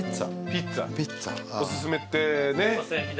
ピッツァおすすめってね。